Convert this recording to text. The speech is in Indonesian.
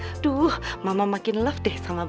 aduh mama makin love deh sama boy